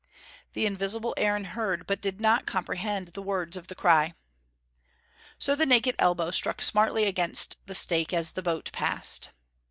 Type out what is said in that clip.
The invisible Aaron heard, but did not comprehend the words of the cry. So the naked elbow struck smartly against the stake as the boat passed.